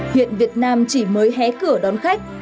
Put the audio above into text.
hiện việt nam chỉ mới hé cửa đón khách